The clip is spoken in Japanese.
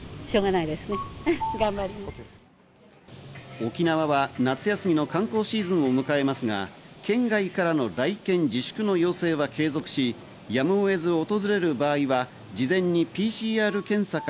沖縄は夏休みの観光シーズンを迎えますが、県外からの来県自粛の要請は継続し、やむを得ず訪れる場合は事前にＰＣＲ検査か